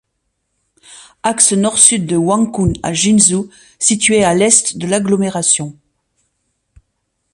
Axe Nord-Sud de Huangcun à Jinzhou, situé à l'Est de l'agglomération.